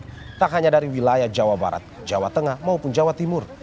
tidak hanya dari wilayah jawa barat jawa tengah maupun jawa timur